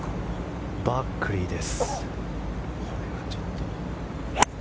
バックリーです。